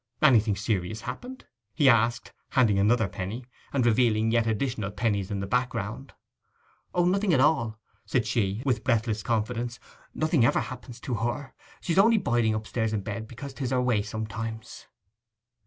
'Anything serious happened?' he asked, handing another penny, and revealing yet additional pennies in the background. 'O no—nothing at all!' said she, with breathless confidence. 'Nothing ever happens to her. She's only biding upstairs in bed because 'tis her way sometimes.